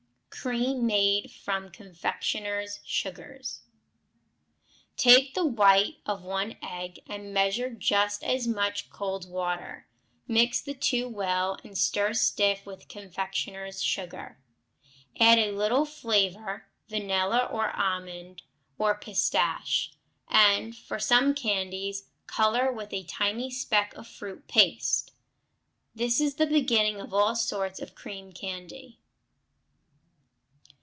Cream Made from Confectioners' Sugar Take the white of one egg, and measure just as much cold water; mix the two well, and stir stiff with confectioners' sugar; add a little flavoring, vanilla, or almond, or pistache, and, for some candies, color with a tiny speck of fruit paste. This is the beginning of all sorts of cream candy.